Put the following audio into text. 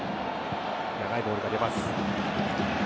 長いボールが出ます。